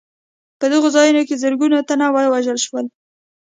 په دغو ځایونو کې زرګونه تنه ووژل شول.